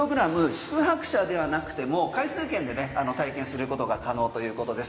宿泊者ではなくても回数券で体験することが可能ということです。